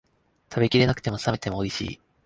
食べきれなくても、冷めてもおいしい